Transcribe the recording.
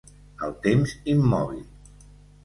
El temps immòbil.